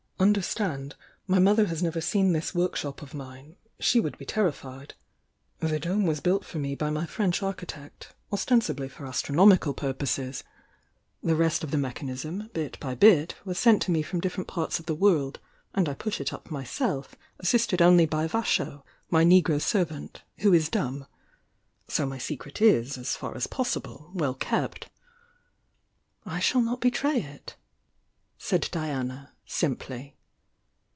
Understand, my mother has nt 'er seen this work shop of mine— she would be terrified. The dome was built for me by my French architect, ostensibly 'f HI 188 THE YOUNG DIANA for astronomical purposeB— the rest of the mechan ism, bit by bit, was sent to nic from different part« ol the worlcl and I put it up myself assisted only by Vasho, my negro servant, who is dumb. So my secret is, as far as possible, well kept." "I shall not betray it," said Diana, simply.